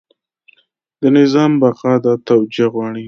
د نظام بقا دا توجیه غواړي.